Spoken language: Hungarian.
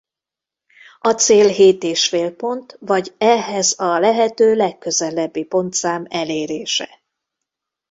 A cél hét és fél pont vagy ehhez a lehető legközelebbi pontszám elérése.